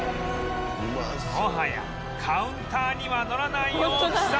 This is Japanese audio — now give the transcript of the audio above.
もはやカウンターにはのらない様子だ